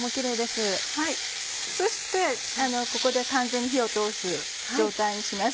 そしてここで完全に火を通す状態にします。